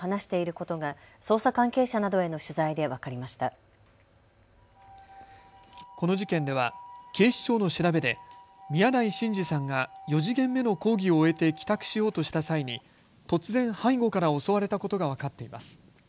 この事件では警視庁の調べで宮台真司さんが４時限目の講義を終えて帰宅しようとした際に突然、背後から襲われたことが分かっています。